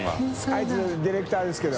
△いディレクターですけど。